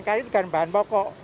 karena itu kan bahan pokok